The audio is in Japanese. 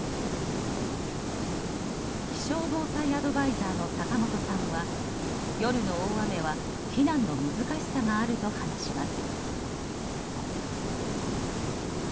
気象防災アドバイザーの坂本さんは夜の大雨は避難の難しさもあると話します。